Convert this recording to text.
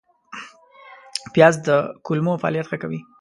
پیاز د کولمو فعالیت ښه کوي